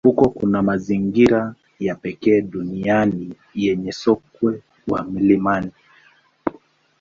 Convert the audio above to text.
Huko kuna mazingira ya pekee duniani yenye sokwe wa milimani.